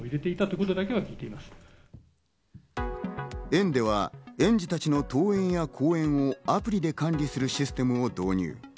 園では、園児たちの登園や降園をアプリで管理するシステムを導入。